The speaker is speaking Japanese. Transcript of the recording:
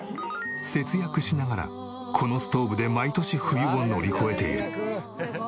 節約しながらこのストーブで毎年冬を乗り越えている。